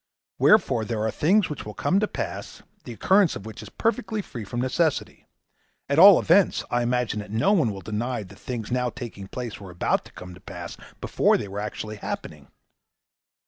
Wherefore there are things which will come to pass, the occurrence of which is perfectly free from necessity. At all events, I imagine that no one will deny that things now taking place were about to come to pass before they were actually happening.